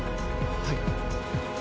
はい。